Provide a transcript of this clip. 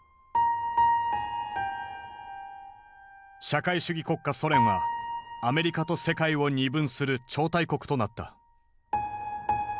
社会主義国家ソ連はアメリカと世界を二分する超大国となった。